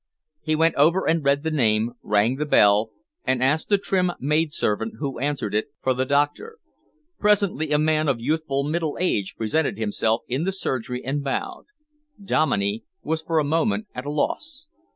He went over and read the name, rang the bell, and asked the trim maidservant who answered it, for the doctor. Presently, a man of youthful middle age presented himself in the surgery and bowed. Dominey was for a moment at a loss.